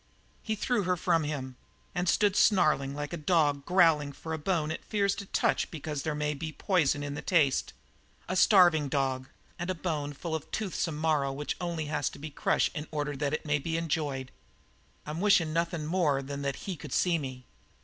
He threw her from him and stood snarling like a dog growling for the bone it fears to touch because there may be poison in the taste a starving dog, and a bone full of toothsome marrow which has only to be crushed in order that it may be enjoyed. "I'm wishin' nothin' more than that he could see me."